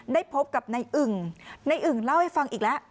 ได้พบกับนายอึงนายอึงเล่าให้ฟังอีกแล้ว